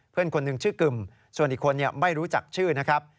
เพื่อนคนหนึ่งชื่อกึ่มส่วนอีกคนไม่รู้จักชื่อนะครับ